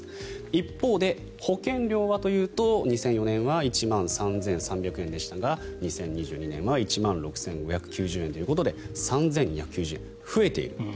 一方で、保険料はというと２００４年は１万３３００円でしたが２０２２年は１万６５９０円ということで３２９０円増えている。